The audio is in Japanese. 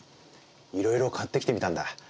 いろいろ買ってきてみたんだ。